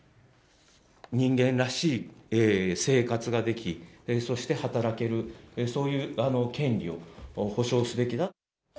人間らしい生活ができ、そして働ける、そういう権利を保障すべきだ。